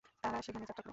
তারা সেখানে যাত্রা করে।